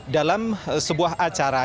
dalam sebuah acara